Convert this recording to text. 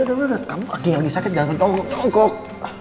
udah udah udah kamu lagi sakit jangan kecok